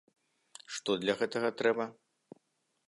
Што для гэтага трэба?